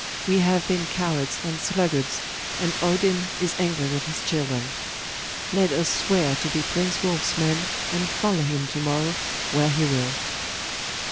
We have been cowards and sluggards, and Odin is angry with his children. Let us swear to be Prince Wulf's men and follow him to morrow where he will!